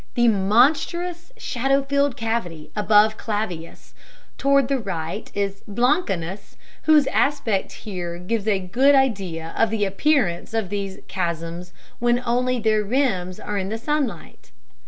The monstrous shadow filled cavity above Clavius toward the right is Blancanus, whose aspect here gives a good idea of the appearance of these chasms when only their rims are in the sunlight.